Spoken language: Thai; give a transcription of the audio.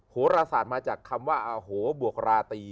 โหรศาสตร์มาจากคำว่าอโหบวกราตรี